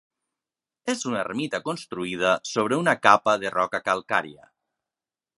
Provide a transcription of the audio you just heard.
És una ermita construïda sobre una capa de roca calcària.